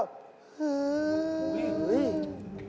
ฮือ